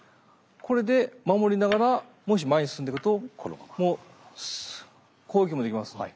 これで守りながらもし前に進んでいくと攻撃もできますね。